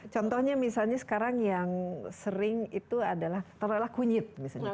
contohnya misalnya sekarang yang sering itu adalah terutama kunyit